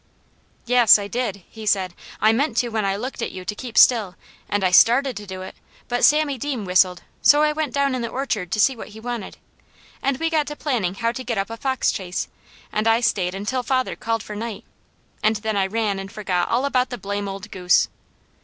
"Yes I did!" he said. "I meant to when I looked at you to keep still, and I started to do it, but Sammy Deam whistled, so I went down in the orchard to see what he wanted, and we got to planning how to get up a fox chase, and I stayed until father called for night, and then I ran and forgot all about the blame old goose."